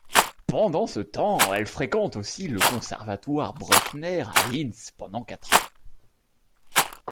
Pendant ce temps, elle fréquente aussi le Conservatoire Bruckner à Linz pendant quatre ans.